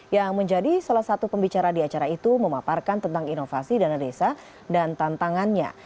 yang menjadi salah satu pembicara di acara itu memaparkan tentang inovasi dana desa dan tantangannya